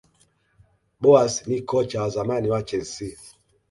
boas ni kocha wa zamani wa chelsea